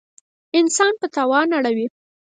انسان په تاوان اړوي.